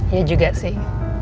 ya juga sih